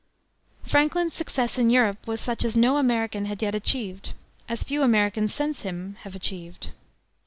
Franklin's success in Europe was such as no American had yet achieved, as few Americans since him have achieved.